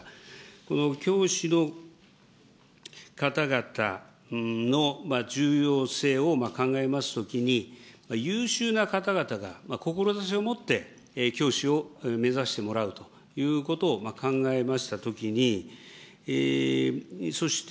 この教師の方々の重要性を考えますときに、優秀な方々が志を持って教師を目指してもらうということを考えましたときに、そして、